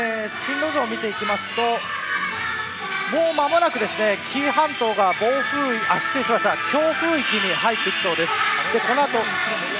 進路図を見ていきますともう間もなく紀伊半島が強風域に入ってきそうです。